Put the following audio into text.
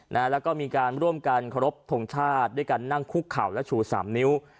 แล้วก็มีการร่วมกันเคารพทงชาติด้วยการนั่งคุกเข่าและชูสามนิ้ว